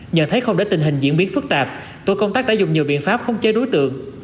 nhận thấy không để tình hình diễn biến phức tạp tổ công tác đã dùng nhiều biện pháp không chế đối tượng